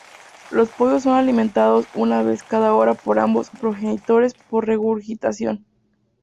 Los pollos son alimentados una vez cada hora por ambos progenitores por regurgitación.